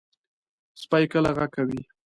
سپي کله غږ کوي.